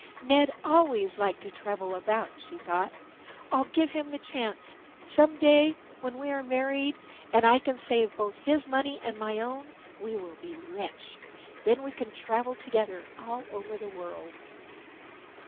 "Ned always liked to travel about," she thought. "I'll give him the chance. Some day when we are married and I can save both his money and my own, we will be rich. Then we can travel together all over the world."